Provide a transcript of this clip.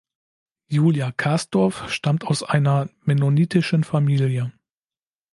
Julia Kasdorf stammt aus einer mennonitischen Familie.